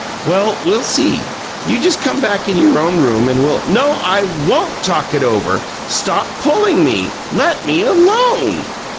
"Well, we'll see. You just come back in your own room, and we'll " "No! I WON'T 'talk it over'! Stop pulling me! Let me ALONE!"